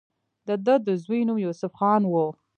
د دۀ د زوي نوم يوسف خان وۀ